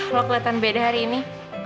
lo keliatan beda hari ini